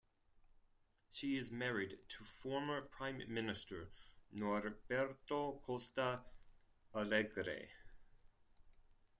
She is married to former prime minister Norberto Costa Alegre.